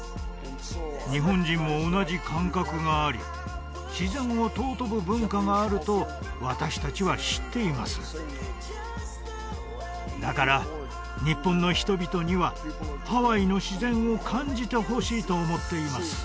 日本人も同じ感覚があり自然を尊ぶ文化があると私達は知っていますだから日本の人々にはハワイの自然を感じてほしいと思っています